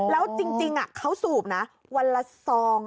แล้วจริงเขาสูบนะวันละซอง